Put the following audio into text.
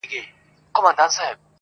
پر تندیو به د پېغلو اوربل خپور وي-